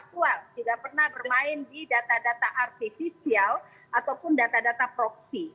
data faktual tidak pernah bermain di data data artifisial ataupun data data proxy